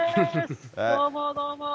どうも、どうも。